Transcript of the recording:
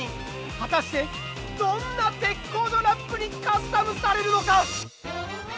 果たしてどんな「鉄工所ラップ」にカスタムされるのか？